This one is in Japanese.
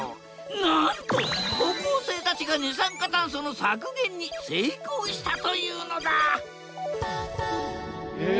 なんと高校生たちが二酸化炭素の削減に成功したというのだえ。